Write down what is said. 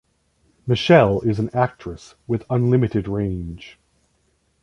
Michelle is an actress with unlimited range.